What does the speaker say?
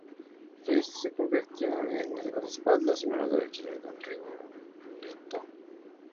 Fisk se convirtió en el guardaespaldas y mano derecha de Don Rigoletto.